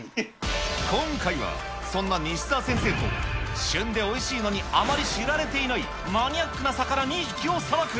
今回は、そんな西澤先生と旬でおいしいのに、あまり知られていないマニアックな魚２匹をさばく。